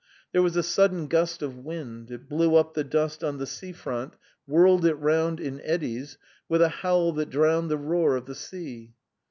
There was a sudden gust of wind; it blew up the dust on the sea front, whirled it round in eddies, with a howl that drowned the roar of the sea.